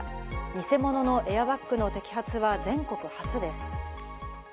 偽物のエアバッグの摘発は全国初です。